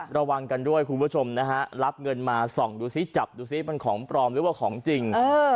ระวังกันด้วยคุณผู้ชมนะฮะรับเงินมาส่องดูซิจับดูซิมันของปลอมหรือว่าของจริง